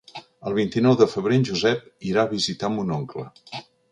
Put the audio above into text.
El vint-i-nou de febrer en Josep irà a visitar mon oncle.